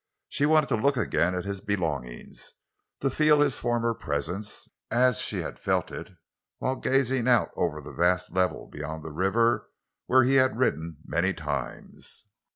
She wanted to look again at his belongings, to feel his former presence—as she had felt it while gazing out over the vast level beyond the river, where he had ridden many times.